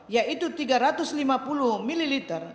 yaitu tiga ratus lima puluh ml